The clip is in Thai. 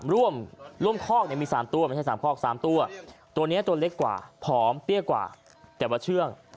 ร่วมคอกมี๓ตัวตัวนี้ตัวเล็กกว่าผอมเตี้ยกว่าแต่ว่าเชื่อง